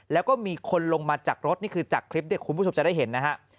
แล้วก็มีคนลงมาจากรถนี่คือจากคลิปที่คุณผู้ชมจะได้เห็นนะฮะ